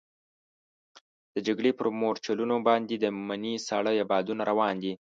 د جګړې پر مورچلونو باندې د مني ساړه بادونه روان دي.